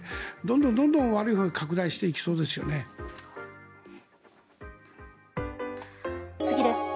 どんどん悪いほうへ拡大していきそうですよね。